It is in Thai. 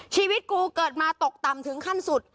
ชีวิตกูเกิดมาตกต่ำถึงขั้นสุด